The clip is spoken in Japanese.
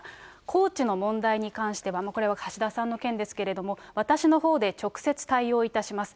高知の問題に関しては、これは橋田さんの件ですけれども、私のほうで直接対応いたします。